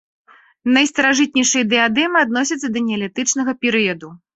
Найстаражытнейшыя дыядэмы адносяцца да неалітычнага перыяду.